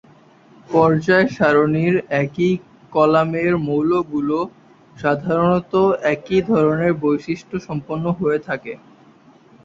পর্যায় সারণীর একই কলামের মৌলগুলো সাধারণত একই ধরনের বৈশিষ্ট সম্পন্ন হয়ে থাকে।